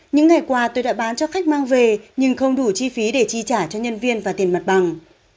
những ngày qua tôi đã bán cho khách mang về nhưng không đủ chi phí để chi trả cho nhân viên và tiền mặt bằng